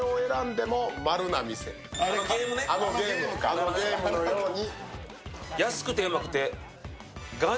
あのゲームのように。